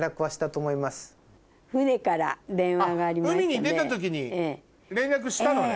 海に出た時に連絡したのね？